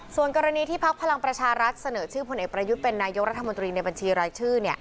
ส่วนกรณีที่พักพลังประชารัฐเสนอชื่อพลเอกประยุทธ์เป็นนายกรัฐมนตรีในบัญชีรายชื่อ